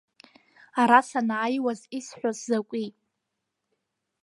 Ара санааиуаз исҳәоз закәи.